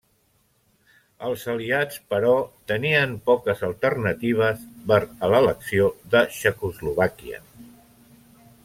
Els aliats, però, tenien poques alternatives per a l'elecció de Txecoslovàquia.